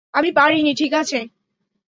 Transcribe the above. আমি পারিনি, - ঠিক আছে।